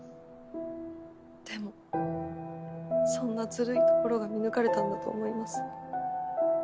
でもそんなずるいところが見抜かれたんだと思います。